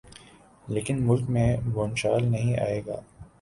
لیکن ملک میں بھونچال نہیں آئے گا۔